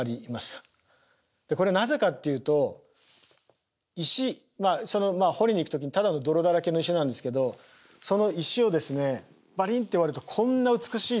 これなぜかっていうと石まあその掘りに行く時にただの泥だらけの石なんですけどその石をですねパリンって割るとこんな美しい造形物が現れるんですね。